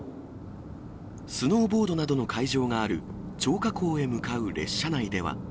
スノーボードなどの会場がある張家口へ向かう列車内では。